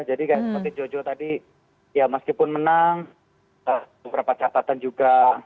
jadi seperti jojo tadi ya meskipun menang beberapa catatan juga